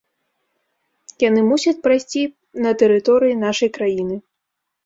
Яны мусяць прайсці на тэрыторыі нашай краіны.